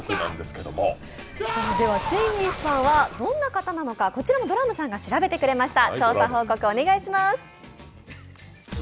それではチンギスさんはどんな方なのかこちらもドラムさんが調べてくれました。